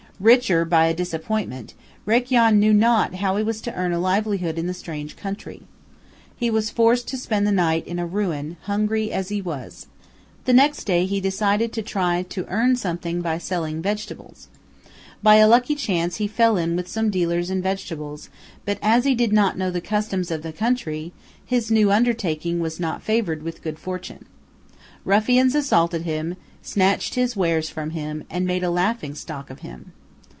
Richer by a disappointment, Rakyon knew not how he was to earn a livelihood in the strange country. He was forced to spend the night in a ruin, hungry as he was. The next day he decided to try to earn something by selling vegetables. By a lucky chance he fell in with some dealers in vegetables, but as he did not know the customs of the country, his new undertaking was not favored with good fortune. Ruffians assaulted him, snatched his wares from him, and made a laughing stock of him.